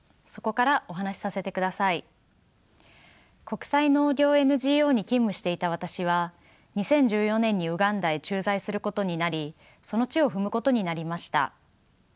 国際農業ＮＧＯに勤務していた私は２０１４年にウガンダへ駐在することになりその地を踏むことになりました。